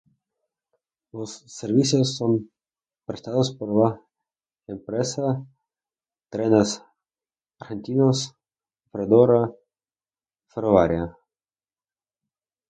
Los servicios son prestados por la empresa Trenes Argentinos Operadora Ferroviaria.